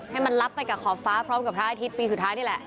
ให้มันลับไปกับขอบฟ้าพร้อมกับพระอาทิตย์ปีสุดท้ายนี่แหละ